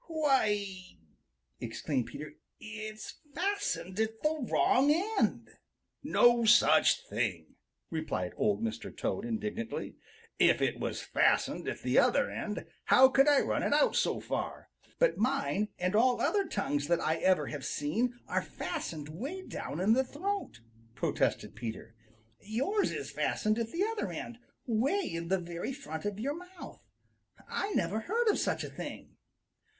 Why ee!" exclaimed Peter. "It's fastened at the wrong end!" "No such thing!" replied Old Mr. Toad indignantly. "If it was fastened at the other end, how could I run it out so far?" "But mine and all other tongues that I ever have seen are fastened way down in the throat," protested Peter. "Yours is fastened at the other end, way in the very front of your mouth. I never heard of such a thing."